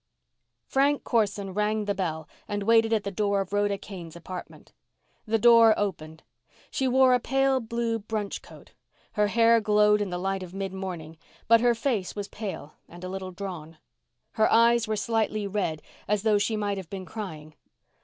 Frank Corson rang the bell and waited at the door of Rhoda Kane's apartment. The door opened. She wore a pale blue brunch coat. Her hair glowed in the light of midmorning, but her face was pale and a little drawn. Her eyes were slightly red, as though she might have been crying.